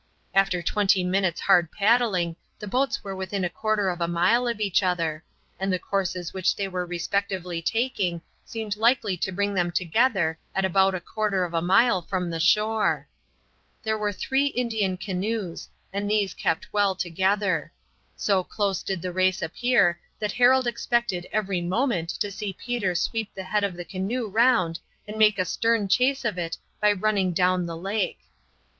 After twenty minutes' hard paddling the boats were within a quarter of a mile of each other, and the courses which they were respectively taking seemed likely to bring them together at about a quarter of a mile from the shore. There were three Indian canoes, and these kept well together. So close did the race appear that Harold expected every moment to see Peter sweep the head of the canoe round and make a stern chase of it by running down the lake.